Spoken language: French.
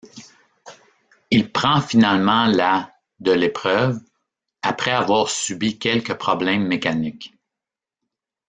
Il prend finalement la de l'épreuve, après avoir subi quelques problèmes mécaniques.